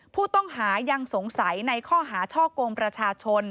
ผู้ต้องหายังสงสัยในข้อหาช่อกงประชาชน